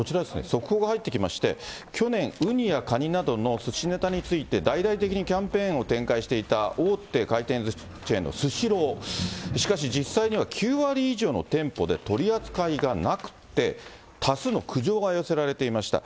速報が入ってきまして、去年、ウニやカニなどのすしネタについて、大々的にキャンペーンを展開していた大手回転ずしチェーンのスシロー、しかし実際には９割以上の店舗で取り扱いがなくて、多数の苦情が寄せられていました。